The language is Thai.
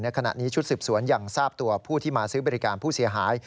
ขณะนี้ชุดสืบสวนยังทราบตัวผู้ที่มาซื้อบริการผู้เสียหาย